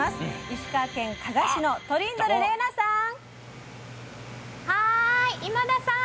石川県加賀市のトリンドル玲奈さん。